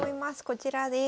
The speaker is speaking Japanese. こちらです。